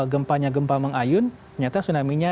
gempanya gempa mengayun ternyata tsunami nya